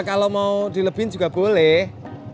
kalau mau dilebin juga boleh